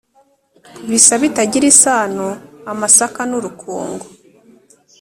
Bisa bitagira isano-Amasaka n'urukungu.